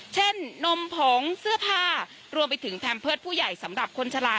นมผงเสื้อผ้ารวมไปถึงแพมเพิร์ตผู้ใหญ่สำหรับคนชะลา